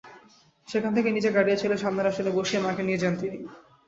সেখান থেকে নিজে গাড়ি চালিয়ে সামনের আসনে বসিয়ে মাকে নিয়ে যান তিনি।